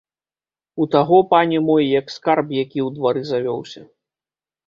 У таго, пане мой, як скарб які ў двары завёўся.